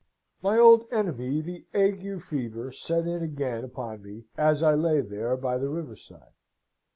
"My old enemy the ague fever set in again upon me as I lay here by the river side.